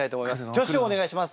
挙手をお願いします。